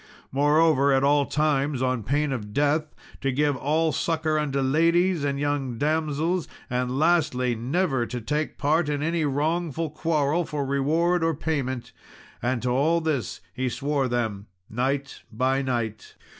Moreover, at all times, on pain of death, to give all succour unto ladies and young damsels; and lastly, never to take part in any wrongful quarrel, for reward or payment. And to all this he swore them knight by knight.